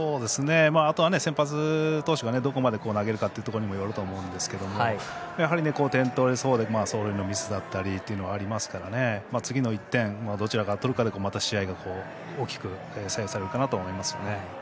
あとは先発投手がどこまで投げるかというところにもよるんですけど点、取れそうなところで走塁のミスだっりがありますから次の１点をどちらが取るかで試合が左右されると思います。